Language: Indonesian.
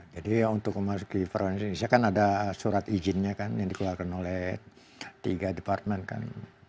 jadi untuk masuk ke perancis indonesia kan ada surat izinnya kan yang dikeluarkan oleh tiga departemen kan